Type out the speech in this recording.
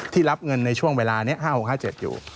รับเงินในช่วงเวลานี้๕๖๕๗อยู่